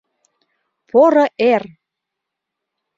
— Поро эр!